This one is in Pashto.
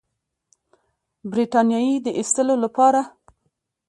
برټانیې د ایستلو لپاره.